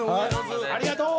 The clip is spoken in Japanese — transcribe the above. ◆ありがとう。